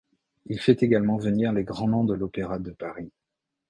Il fait également venir les grands noms de l'Opéra de Paris.